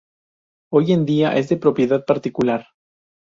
Hoy en día es de propiedad particular.